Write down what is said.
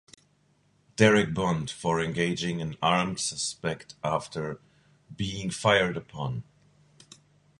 Derek Bond for engaging an armed suspect after being fired upon.